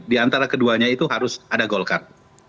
diantara keduanya itu harus ada golkar